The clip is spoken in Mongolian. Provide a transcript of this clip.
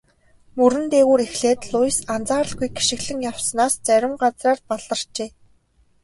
Мөрөн дээгүүр эхлээд Луис анзааралгүй гишгэлэн явснаас зарим газраар баларчээ.